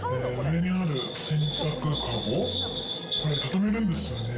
上にある洗濯かご、これ、たためるんですよね。